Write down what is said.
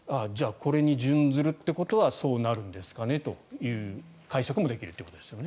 これに準ずるということはそうなんですねという解釈もできるということですね。